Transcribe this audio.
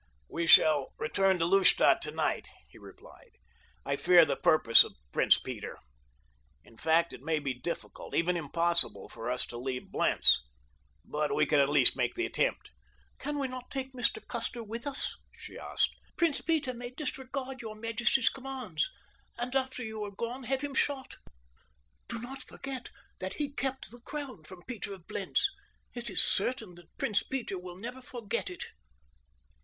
"We shall return to Lustadt tonight," he replied. "I fear the purpose of Prince Peter. In fact, it may be difficult—even impossible—for us to leave Blentz; but we can at least make the attempt." "Can we not take Mr. Custer with us?" she asked. "Prince Peter may disregard your majesty's commands and, after you are gone, have him shot. Do not forget that he kept the crown from Peter of Blentz—it is certain that Prince Peter will never forget it."